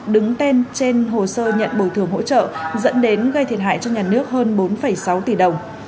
đứng tên trên hồ sơ nhận bồi thường hỗ trợ dẫn đến gây thiệt hại cho nhà nước hơn bốn sáu tỷ đồng